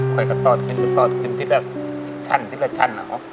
ค่อยกระตอดขึ้นทิ้งทั้งชั้นหรือ